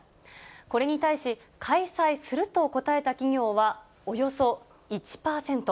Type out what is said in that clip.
これに対し、開催すると答えた企業はおよそ１％。